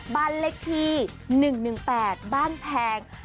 บ้านเล็กที่หนึ่งหนึ่งแปดบ้านแพง